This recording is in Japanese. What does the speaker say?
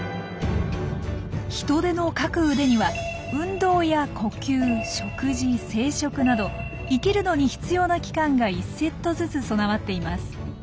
ヒトデの各腕には運動や呼吸食事生殖など生きるのに必要な器官が１セットずつ備わっています。